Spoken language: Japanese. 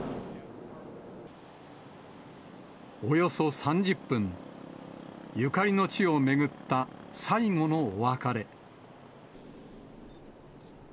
およそ３０分、ゆかりの地を巡った最後のお別れ。